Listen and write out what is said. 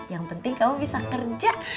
yang penting kamu bisa kerja